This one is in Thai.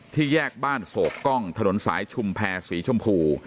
แยกบ้านโศกกล้องถนนสายชุมแพรสีชมพู